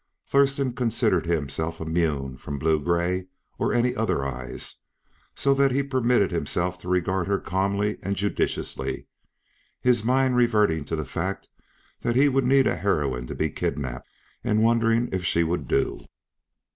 Thurston considered himself immune from blue gray or any other eyes, so that he permitted himself to regard her calmly and judicially, his mind reverting to the fact that he would need a heroine to be kidnapped, and wondering if she would do.